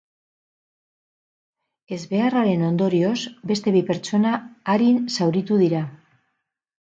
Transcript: Ezbeharraren ondorioz, beste bi pertsona arin zauritu dira.